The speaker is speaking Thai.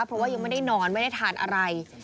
เพราะว่ายังไม่ได้นอนไม่ได้ทานอะไร